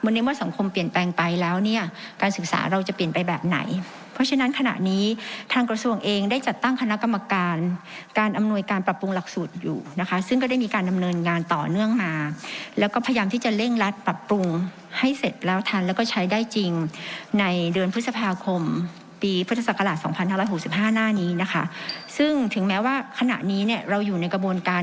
ในเมื่อสังคมเปลี่ยนแปลงไปแล้วเนี่ยการศึกษาเราจะเปลี่ยนไปแบบไหนเพราะฉะนั้นขณะนี้ทางกระทรวงเองได้จัดตั้งคณะกรรมการการอำนวยการปรับปรุงหลักสูตรอยู่นะคะซึ่งก็ได้มีการดำเนินงานต่อเนื่องมาแล้วก็พยายามที่จะเล่นรัดปรับปรุงให้เสร็จแล้วทันแล้วก็ใช้ได้จริงในเดือนพฤษภาคมปีพฤษภาค